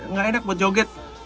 ngai dek buat joget